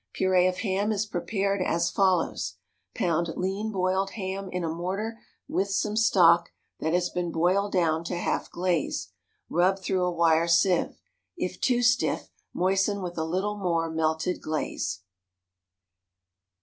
Purée of ham is prepared as follows: pound lean boiled ham in a mortar with some stock that has been boiled down to half glaze; rub through a wire sieve. If too stiff, moisten with a little more melted glaze.